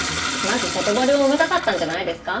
まず外堀を埋めたかったんじゃないですか？